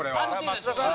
松田さん